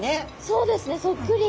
そうですねそっくり。